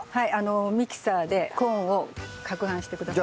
ミキサーでコーンを攪拌してください。